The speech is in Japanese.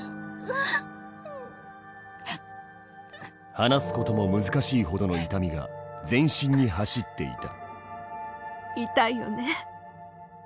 話すことも難しいほどの痛みが全身に走っていた。